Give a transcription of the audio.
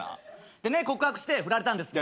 でね告白して振られたんですけど。